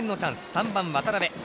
３番、渡邉。